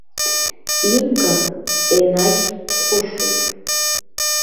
Инга енагь дҟәышуп.